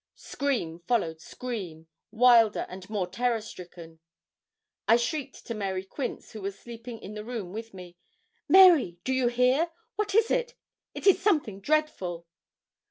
Scream followed scream, wilder and more terror stricken. I shrieked to Mary Quince, who was sleeping in the room with me: 'Mary, do you hear? what is it? It is something dreadful.'